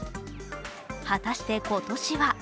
果たして今年は？